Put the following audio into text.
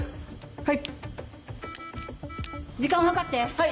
はい。